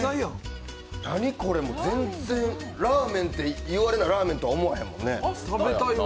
何これ、全然ラーメンと言われないとラーメンとは思わないもんね。